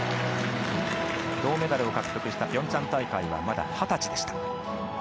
銅メダルを獲得したピョンチャン大会はまだ二十歳でした。